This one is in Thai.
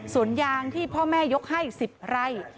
สวนยางที่พ่อแม่ยกให้๑๐ไร่